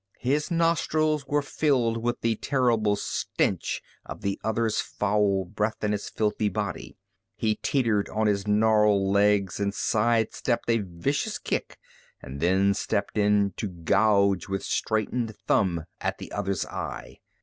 His nostrils were filled with the terrible stench of the other's foul breath and his filthy body. He teetered on his gnarled legs and side stepped a vicious kick and then stepped in to gouge with straightened thumb at the other's eye.